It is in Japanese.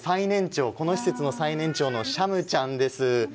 この施設の最年長のシャムちゃんです。